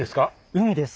海です。